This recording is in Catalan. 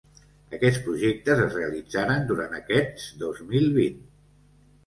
Aquests projectes es realitzaran durant aquest dos mil vint.